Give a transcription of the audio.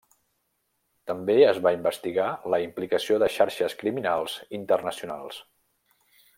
També es va investigar la implicació de xarxes criminals internacionals.